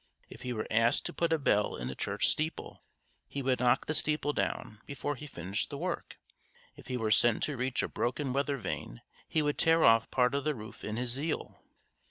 If he were asked to put a bell in the church steeple, he would knock the steeple down, before he finished the work. If he were sent to reach a broken weather vane, he would tear off part of the roof in his zeal.